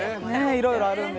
いろいろあるので。